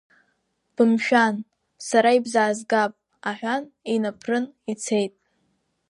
Бымшәан, сара ибзаазгап, — аҳәан инаԥрын ицеит.